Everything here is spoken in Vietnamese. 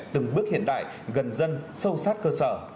từng bước hiện đại gần dân sâu sát cơ sở